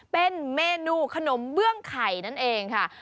เป็นเมนูขนมเบื้องไข่นั่นเองค่ะ